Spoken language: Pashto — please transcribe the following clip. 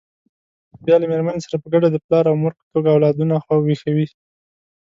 بیا له مېرمنې سره په ګډه د پلار او مور په توګه اولادونه ویښوي.